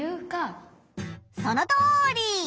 そのとおり！